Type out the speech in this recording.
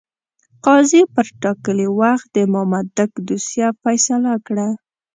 قاضي پر ټاکلي وخت د مامدک دوسیه فیصله کړه.